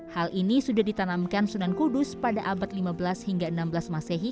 hal ini sudah ditanamkan sunan kudus pada abad lima belas hingga enam belas masehi